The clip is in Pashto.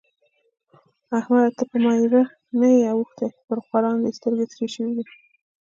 احمده! ته پر مېړه نه يې اوښتی؛ پر خوارانو دې سترګې سرې شوې دي.